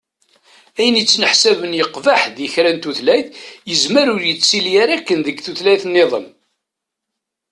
Ayen ittneḥsaben yeqbeḥ di kra n tutlayt, yezmer ur yettili ara akken deg tutlayt-nniḍen.